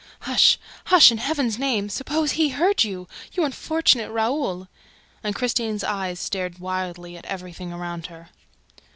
"Hush! Hush, in Heaven's name! Suppose HE heard you, you unfortunate Raoul!" And Christine's eyes stared wildly at everything around her.